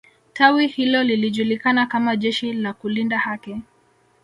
tawi hilo lilijulikana kama jeshi la kulinda haki